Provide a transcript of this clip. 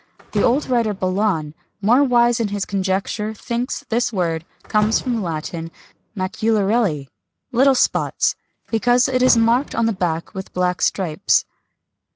The old writer Belon, more wise in his conjecture, thinks this word comes from the Latin, macularelli, "little spots," because it is marked on the back with black stripes.